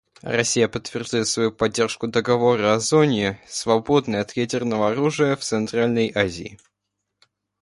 Россия подтверждает свою поддержку Договора о зоне, свободной от ядерного оружия, в Центральной Азии.